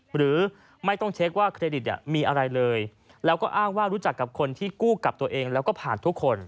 หรือไม่ต้องเช็คว่าเครดิตมีอะไรเลยแล้วก็อ้างว่ารู้จักกับคนที่กู้กับตัวเองแล้วก็ผ่านทุกคน